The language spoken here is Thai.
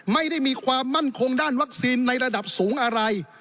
ไม่ได้มีความมั่นคงด้านวัคซีนในระดับสูงอะไร